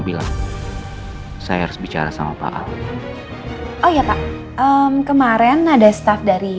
bilang saya harus bicara sama pak al oh ya pak kemarin ada staff dari